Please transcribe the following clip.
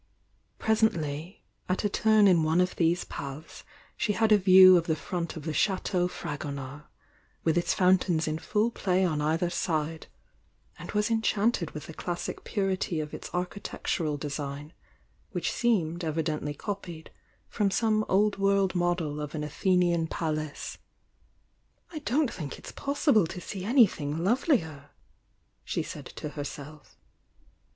Presently at a turn in one of these paths she had a view of the front of the Chateau Fragonard, with its fountains in full play on either side, and was enchanted with the classic purity of its architectural design, which seemed evidently copied from some old world model of an Athenian palace. "I don't think it's possible to see anything love i. !" she said 'o herself.